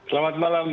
selamat malam pak